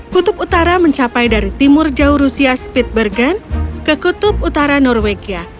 kutub utara mencapai dari timur jauh rusia speed bergen ke kutub utara norwegia